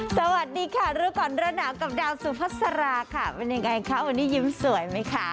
สวัสดีค่ะรูปอ่อนแร่หนาวกับดาวสุพสราค่ะวันนี้ยิ้มสวยไหมคะ